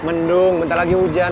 mendung bentar lagi hujan